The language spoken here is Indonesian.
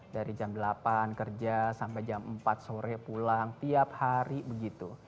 dari jam delapan kerja sampai jam empat sore pulang tiap hari begitu